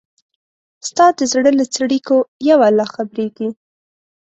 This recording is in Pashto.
ستا د زړه له څړیکو یو الله خبریږي